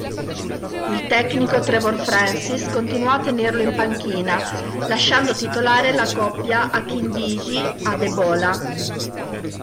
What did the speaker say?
Il tecnico Trevor Francis continuò a tenerlo in panchina, lasciando titolare la coppia Akinbiyi-Adebola.